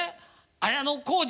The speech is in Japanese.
綾小路。